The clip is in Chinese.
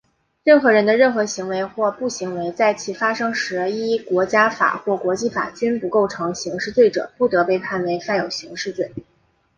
任何人的任何行为或不行为,在其发生时依国家法或国际法均不构成刑事罪者,不得被判为犯有刑事罪。